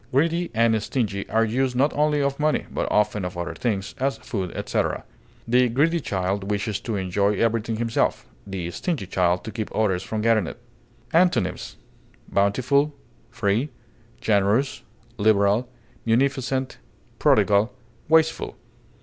Greedy and stingy are used not only of money, but often of other things, as food, etc. The greedy child wishes to enjoy everything himself; the stingy child, to keep others from getting it. Antonyms: bountiful, free, generous, liberal, munificent, prodigal, wasteful.